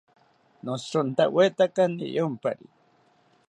Noshirontawetaka niyompari